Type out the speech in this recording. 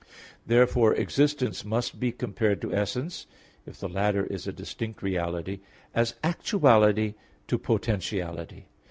Therefore existence must be compared to essence, if the latter is a distinct reality, as actuality to potentiality.